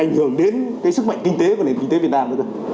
ảnh hưởng đến cái sức mạnh kinh tế của nền kinh tế việt nam ra